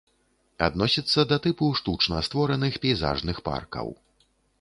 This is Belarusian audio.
Адносіцца да тыпу штучна створаных пейзажных паркаў.